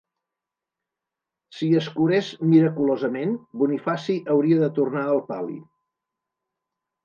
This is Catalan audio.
Si es curés miraculosament, Bonifaci hauria de tornar el pal·li.